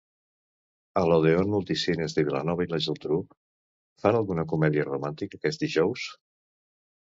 A l'Odeon Multicines de Vilanova i la Geltrú fan alguna comèdia romàntica aquest dijous?